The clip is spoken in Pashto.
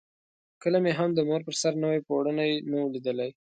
کله مې هم د مور پر سر نوی پوړونی نه وو لیدلی.